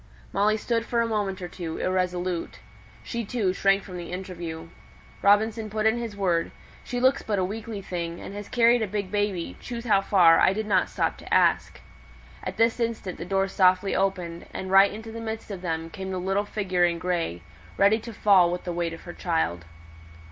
Molly stood for a moment or two, irresolute. She, too, shrank from the interview. Robinson put in his word: "She looks but a weakly thing, and has carried a big baby, choose how far, I didn't stop to ask." At this instant the door softly opened, and right into the midst of them came the little figure in grey, looking ready to fall with the weight of her child.